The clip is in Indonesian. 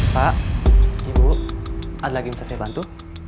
pak ibu ada lagi yang bisa saya bantu